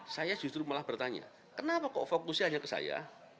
saya justru malah bertanya kenapa kok fokusnya hanya ke saya